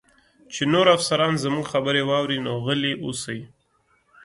چې نور افسران زموږ خبرې واوري، نو غلي اوسئ.